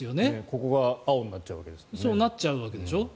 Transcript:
ここが青になっちゃうわけですからね。